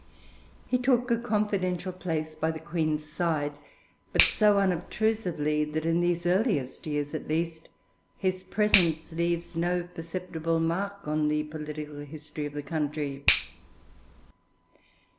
He took a confidential place by the Queen's side, but so unobtrusively that in these earliest years, at least, his presence leaves no perceptible mark on the political history of the country.